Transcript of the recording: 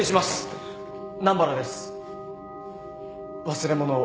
忘れ物を。